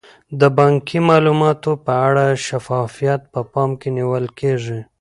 د بانکي معاملاتو په اړه شفافیت په پام کې نیول کیږي.